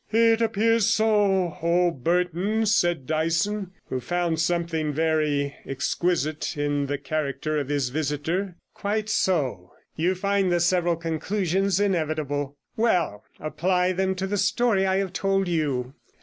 92 'It appears so, O Burton,' said Dyson, who found something very exquisite in the character of his visitor. 'Quite so; you find the several conclusions inevitable. Well, apply them to the story I have told you.